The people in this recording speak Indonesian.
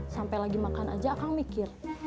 sampai lagi makan aja kang mikir